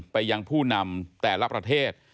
ไปยังผู้นำแต่ละประเทศ